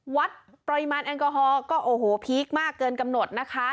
วัดปริมาณแอลกอฮอลก็โอ้โหพีคมากเกินกำหนดนะคะ